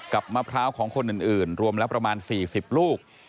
มะพร้าวของคนอื่นรวมแล้วประมาณ๔๐ลูก